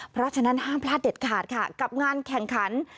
เพราะฉะนั้นห้ามพลาดเด็ดขาดค่ะกับงานแข่งขัน